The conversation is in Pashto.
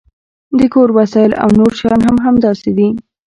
د کور وسایل او نور شیان هم همداسې دي